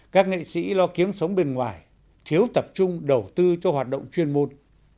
các nghệ sĩ lo kiếm sống bên ngoài thiếu tập trung đầu tư cho hoạt động chuyên môn